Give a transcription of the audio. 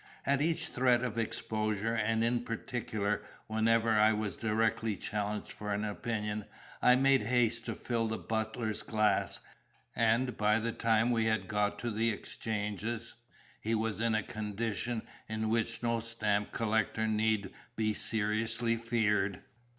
At each threat of exposure, and in particular whenever I was directly challenged for an opinion, I made haste to fill the butler's glass, and by the time we had got to the exchanges, he was in a condition in which no stamp collector need be seriously feared.